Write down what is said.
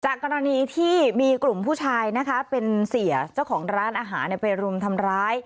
กรณีที่มีกลุ่มผู้ชายนะคะเป็นเสียเจ้าของร้านอาหารไปรุมทำร้าย